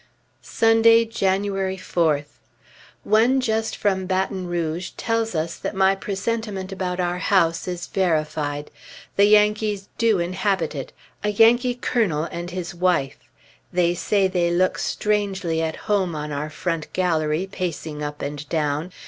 Sunday, January 4th. One just from Baton Rouge tells us that my presentiment about our house is verified; Yankees do inhabit it, a Yankee colonel and his wife. They say they look strangely at home on our front gallery, pacing up and down....